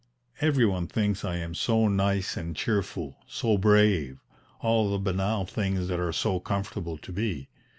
Every one thinks I am so nice and cheerful, so 'brave,' all the banal things that are so comfortable to be.